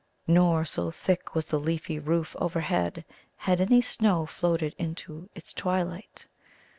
Nor, so thick was the leafy roof overhead, had any snow floated into its twilight.